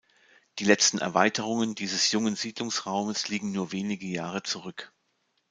Die letzten Erweiterungen dieses jungen Siedlungsraumes liegen nur wenige Jahre zurück.